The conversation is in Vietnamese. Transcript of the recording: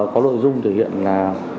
có nội dung thể hiện là